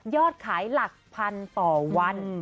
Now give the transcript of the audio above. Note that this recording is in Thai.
ขายหลักพันต่อวัน